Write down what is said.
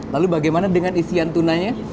lalu bagaimana dengan isian tunanya